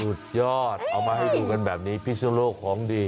สุดยอดเอามาให้ดูกันแบบนี้พิศนโลกของดี